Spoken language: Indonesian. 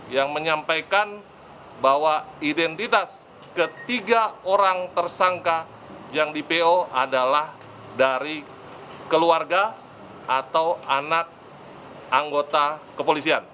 yang menyampaikan bahwa identitas ketiga orang tersangka yang di po adalah dari keluarga atau anak anggota kepolisian